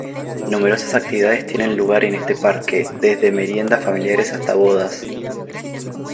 Numerosas actividades tienen lugar en este parque, desde meriendas familiares hasta bodas.